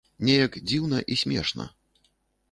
Неяк дзіўна і смешна.